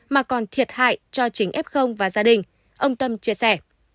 mà còn thiệt hại cho chính f và gia đình ông tâm chia sẻ